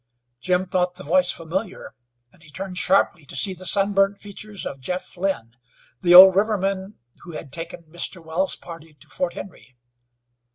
Jim thought the voice familiar, and he turned sharply to see the sun burnt features of Jeff Lynn, the old riverman who had taken Mr. Wells' party to Fort Henry.